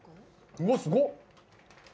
うわ、すごっ。